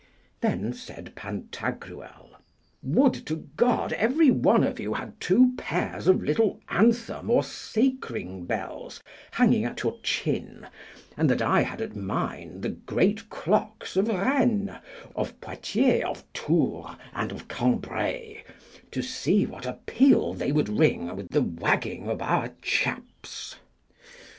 Then said Pantagruel, Would to God every one of you had two pairs of little anthem or sacring bells hanging at your chin, and that I had at mine the great clocks of Rennes, of Poictiers, of Tours, and of Cambray, to see what a peal they would ring with the wagging of our chaps.